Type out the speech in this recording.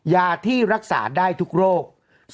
ยาที่รักษาได้ทุกโรค